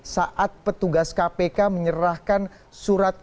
saat petugas kpk menyerahkan surat